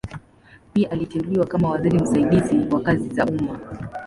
Pia aliteuliwa kama waziri msaidizi wa kazi za umma.